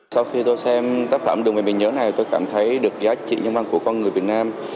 sau khi tôi xem tác phẩm đường về bình nhớ này tôi cảm thấy được giá trị nhân văn của con người việt nam